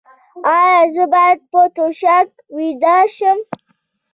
ایا زه باید په توشک ویده شم؟